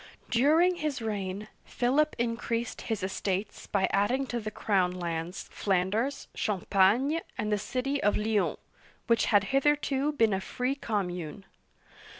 During his reign, Philip increased his estates by adding to the crown lands Flanders, Champagne, and the city of Lyons, which had hitherto been a free commune.